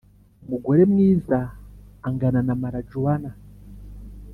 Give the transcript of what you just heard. umugore mwiza angana namarajuwana